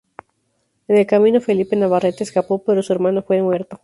En el camino Felipe Navarrete escapó, pero su hermano fue muerto.